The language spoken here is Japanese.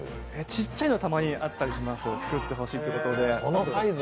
ちっちゃいのは、たまにあったりあります、作ってほしいということで。